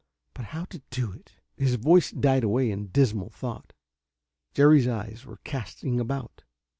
But how to do it...." His voice died away in dismal thought. Jerry's eyes were casting about.